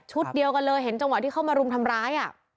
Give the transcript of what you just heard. เดียวกันเลยเห็นจังหวะที่เข้ามารุมทำร้าย